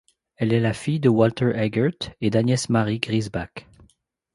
Elle est la fille de Walter Eggert et d'Agnès-Marie Griesbach.